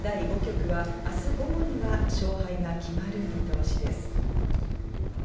第５局は明日午後には勝敗が決まる見通しです。